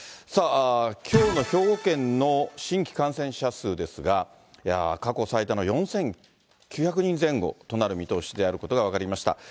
さあ、きょうの兵庫県の新規感染者数ですが、過去最多の４９００人前後となる見通しであることが分かりました。